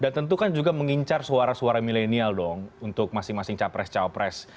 tentu kan juga mengincar suara suara milenial dong untuk masing masing capres capres